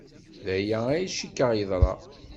D aya ay cikkeɣ yeḍra.